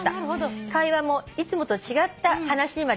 「会話もいつもと違った話にまで」